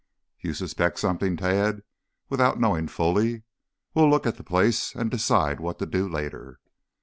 "You suspect something, Tad, without knowing fully. We'll look at the place and decide what to do later."